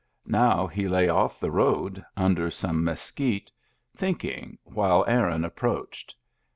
Now he lay off the road under some mes quite, thinking, while Aaron approached.